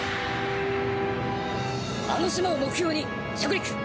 あの島を目標に着陸！